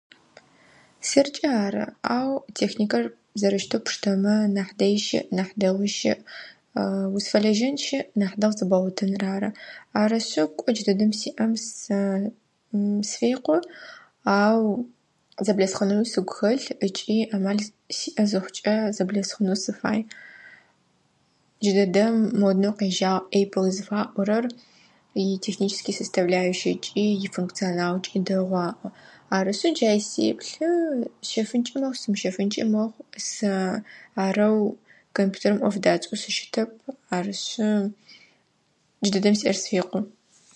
СэркӀэ ары, ау техникэр зэрэщытэу пштэмэ, нахь дэи щыӀ, нахь дэгъуи щыӀ. Узфэлэжьэн щыӀ, нахь дэгъу зэбгъэгъотыныр ары. Арышъы кӀо джыдэдэм сиӀэм сэ сфекъу, ау зэблэсхъунэуи сыгу хэлъ, ыкӀи Ӏэмал сиӀэ зыхъукӀэ зэблэсхъунэу сыфай. Джыдэдэм модноу къежьагъ эпл зыфаӀорэр, и технически составляющэкӀи и функционалкӀи дэгъу аӀо. Арышъы джай сеплъы, сщэфынкӀи мэхъу, сымыщэфынкӀи мэхъу. Сэ арэу компьютерым Ӏоф дакӀэу сыщытэп, арышъы джыдэдэм сиӀэ сфекъу.